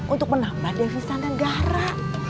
untuk menambah devisa negara